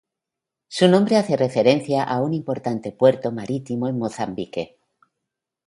Su nombre hace referencia a un importante puerto marítimo en Mozambique.